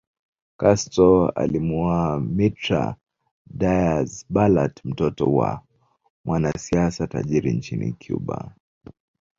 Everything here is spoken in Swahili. Castro alimuoa Mirta Diaz Balart mtoto wa mwanasiasa tajiri nchini Cuba